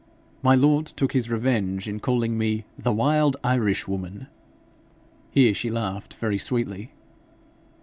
My lord took his revenge in calling me the wild Irish woman.' Here she laughed very sweetly.